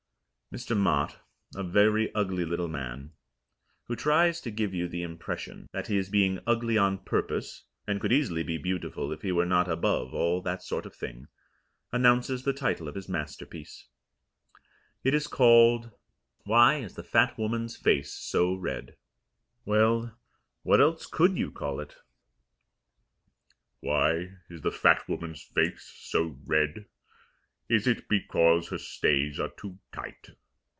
Mr. Mott, a very ugly little man, who tries to give you the impression that he is being ugly on purpose, and could easily be beautiful if he were not above all that sort of thing, announces the title of his masterpiece. It is called "Why Is the Fat Woman's Face So Red?" Well, what else could you call it? Why is the fat woman's face so red? Is it because her stays are too tight?